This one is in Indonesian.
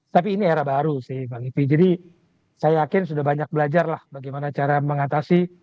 tapi ini era baru sih jadi saya yakin sudah banyak belajar lah bagaimana cara mengatasi